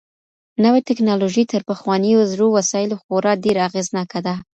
نوې ټکنالوژي تر پخوانيو زړو وسايلو خورا ډېره اغېزناکه ده.